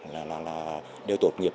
là đều tốt nghiệp